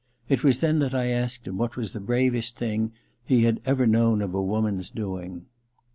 It was then that I asked him what was the bravest thing he had ever known of a woman's doing.